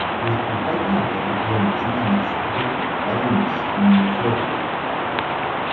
Na úpatí hory je možné navštívit malé místní muzeum.